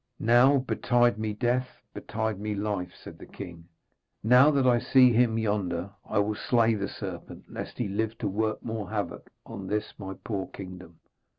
'Now, betide me death, betide me life,' said the king, 'now that I see him yonder I will slay the serpent, lest he live to work more havoc on this my poor kingdom.'